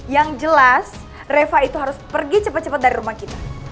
yang jelas reva itu harus pergi cepat cepat dari rumah kita